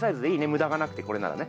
無駄がなくてこれならね。